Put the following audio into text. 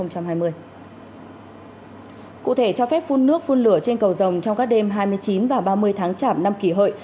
cụ thể cho phép phun nước phun lửa trên cầu rồng trong các đêm hai mươi chín và ba mươi tháng chảm năm kỷ hợi